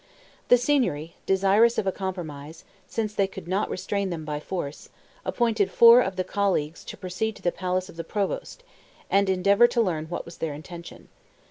The Signory, desirous of a compromise, since they could not restrain them by force, appointed four of the Colleagues to proceed to the palace of the provost, and endeavor to learn what was their intention.